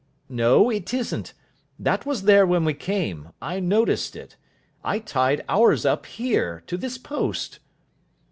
"No, it isn't. That was there when we came. I noticed it. I tied ours up here, to this post."